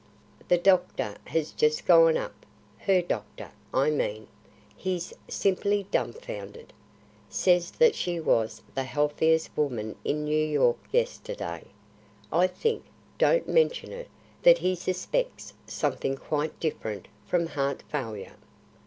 "The doctor has just gone up her doctor, I mean. He's simply dumbfounded. Says that she was the healthiest woman in New York yesterday I think don't mention it, that he suspects something quite different from heart failure."